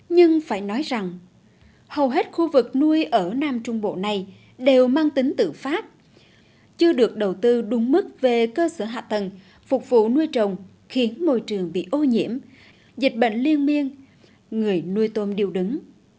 nhưng phải nói rằng hầu hết khu vực nuôi ở nam trung bộ này đều mang tính tự phát chưa được đầu tư đúng mức về cơ sở hạ tầng phục vụ nuôi trồng khiến môi trường bị ô nhiễm dịch bệnh liên miên người nuôi tôm điều đứng